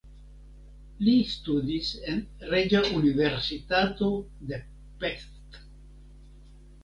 Li studis en Reĝa Universitato de Pest.